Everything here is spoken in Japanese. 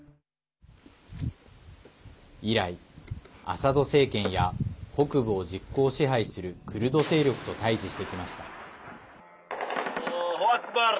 以来、アサド政権や北部を実効支配するクルド勢力と対じしてきました。